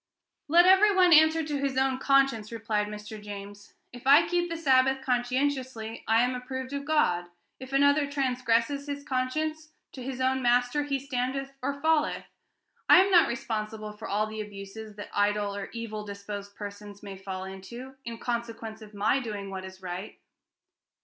"Let every one answer to his own conscience," replied Mr. James. "If I keep the Sabbath conscientiously, I am approved of God; if another transgresses his conscience, 'to his own master he standeth or falleth.' I am not responsible for all the abuses that idle or evil disposed persons may fall into, in consequence of my doing what is right."